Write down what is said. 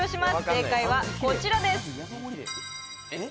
正解はこちらですえっ？